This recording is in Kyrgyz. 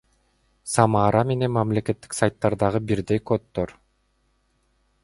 Самара менен мамлекеттик сайттардагы бирдей коддор